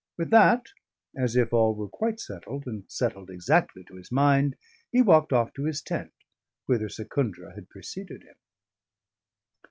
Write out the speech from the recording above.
With that, as if all were quite settled, and settled exactly to his mind, he walked off to his tent, whither Secundra had preceded him.